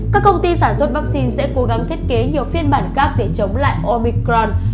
các công ty sản xuất vaccine sẽ cố gắng thiết kế nhiều phiên bản khác để chống lại omicron